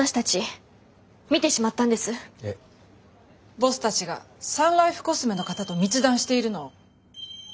ボスたちがサンライフコスメの方と密談しているのを。